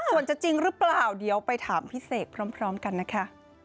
ส่วนจะจริงหรือเปล่าเดี๋ยวไปถามพี่เสกพร้อมกันนะคะ